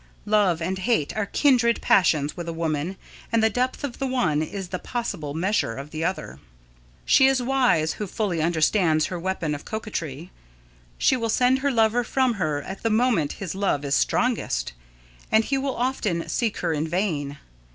Love and hate are kindred passions with a woman and the depth of the one is the possible measure of the other. She is wise who fully understands her weapon of coquetry. She will send her lover from her at the moment his love is strongest, and he will often seek her in vain.